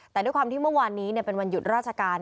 แต่ด้วยความที่เมื่อวานนี้เป็นวันหยุดราชการ